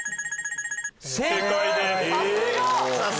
正解です！